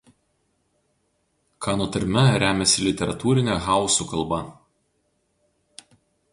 Kano tarme remiasi literatūrinė hausų kalba.